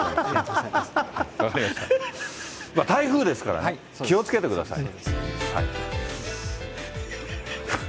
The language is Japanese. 台風ですからね、気をつけてください。